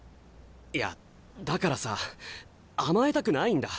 いやだからさ甘えたくないんだ。